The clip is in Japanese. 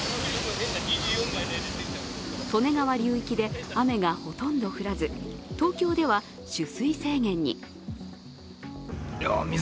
利根川流域で雨がほとんど降らず、東京では取水制限に。